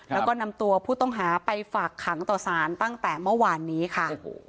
แล้วก็นำตัวผู้ต้องหาไปฝากขังต่อสารตั้งแต่เมื่อวานนี้ค่ะ